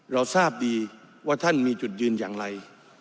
เราทราบดีว่าท่านมีจุดยืนอย่างไร